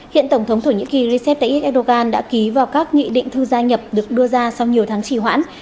hiện tổng thống thổ nhĩ kỳ recep tayyip erdogan đã ký vào các nghị định thư gia nhập được đưa ra sau nhiều tháng trì hoãn